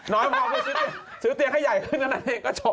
ซื้อเตียงให้ใหญ่ขึ้นเท่านั้นเองก็จบ